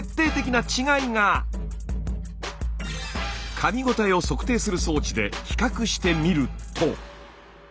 かみごたえを測定する装置で比較してみると。